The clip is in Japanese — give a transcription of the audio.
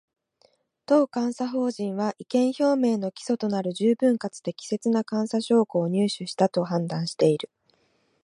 当監査法人は、意見表明の基礎となる十分かつ適切な監査証拠を入手したと判断している